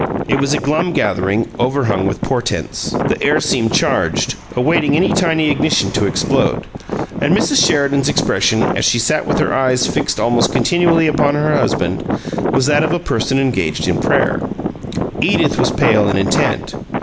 It was a glum gathering, overhung with portents. The air seemed charged, awaiting any tiny ignition to explode; and Mrs. Sheridan's expression, as she sat with her eyes fixed almost continually upon her husband, was that of a person engaged in prayer. Edith was pale and intent.